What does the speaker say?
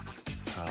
さあ。